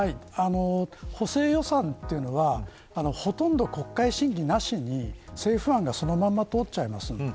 補正予算というのはほとんど国会審議なしに政府案がそのまま通っちゃいますので。